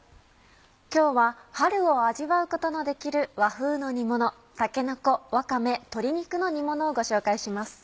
今日は春を味わうことのできる和風の煮もの「たけのこわかめ鶏肉の煮もの」をご紹介します。